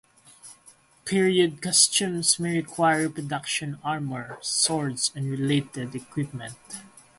Period costumes may require reproduction armour, swords, and related equipment.